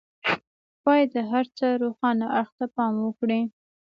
بايد د هر څه روښانه اړخ ته پام وکړي.